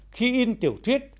khi in tiểu thuyết